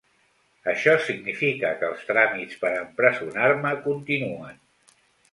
Això significa que els tràmits per a empresonar-me continuen.